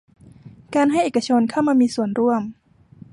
การให้เอกชนเข้ามามีส่วนร่วม